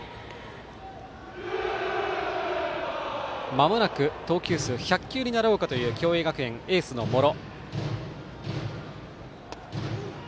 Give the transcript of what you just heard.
まもなく投球数が１００球になろうかという共栄学園エースの茂呂。